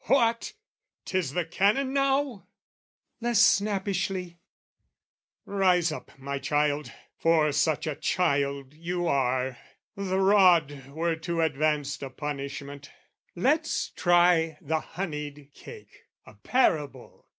"What, 'tis the Canon now?" less snappishly "Rise up, my child, for such a child you are, "The rod were too advanced a punishment! "Let's try the honeyed cake. A parable!